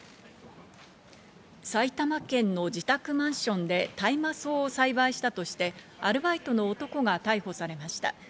埼玉県の自宅マンションで大麻草を栽培したとして、アルバイトの男が逮捕されました。